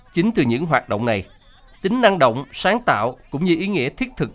chính từ những hoạt động này tính năng động sáng tạo cũng như ý nghĩa thiết thực